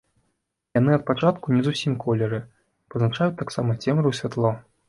Яны ад пачатку не зусім колеры, пазначаюць таксама цемру і святло.